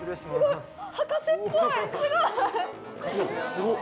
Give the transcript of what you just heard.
すごっ。